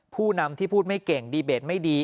ผู้นำที่พูดไม่เก่งดีเบตไม่ดี